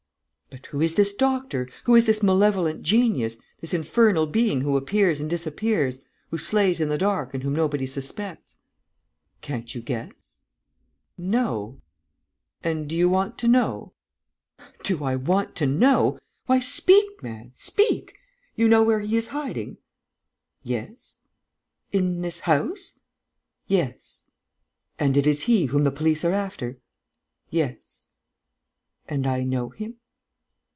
"But who is this doctor? Who is this malevolent genius, this infernal being who appears and disappears, who slays in the dark and whom nobody suspects?" "Can't you guess?" "No." "And do you want to know?" "Do I want to know?... Why, speak, man, speak!... You know where he is hiding?" "Yes." "In this house?" "Yes." "And it is he whom the police are after?" "Yes." "And I know him?"